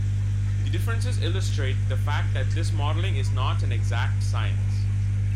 The differences illustrate the fact that this modelling is not an exact science.